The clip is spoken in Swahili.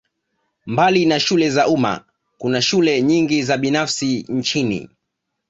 Mbali na shule za umma kuna shule nyingi za binafsi nchini